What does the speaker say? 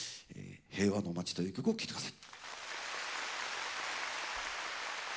「平和の街」という曲を聴いて下さい。